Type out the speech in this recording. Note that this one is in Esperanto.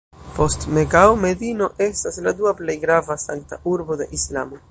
Post Mekao, Medino estas la dua plej grava Sankta Urbo de la islamo.